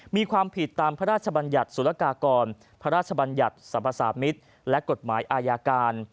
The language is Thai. มีความผิดตามพระราชบัญญัติศุลกากรพระราชบัญญัติสรรพสามิตรและกฎหมายอาญาการ